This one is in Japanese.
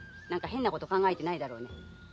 何か変なこと考えてないかい？